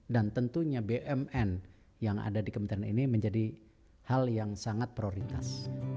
dan tentunya bumn yang ada di kementerian ini menjadi hal yang sangat prioritas